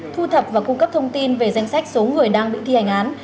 thu thập và cung cấp thông tin về danh sách số người đang bị thi hành án